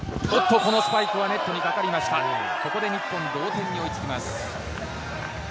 ここで日本、同点に追いつきます。